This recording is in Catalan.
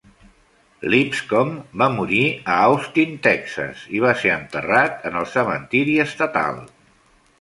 Lipscomb va morir a Austin, Texas, i va ser enterrat en el cementiri estatal.